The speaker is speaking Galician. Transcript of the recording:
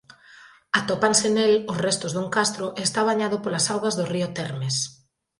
Atópanse nel os restos dun castro e está bañado polas augas do río Termes.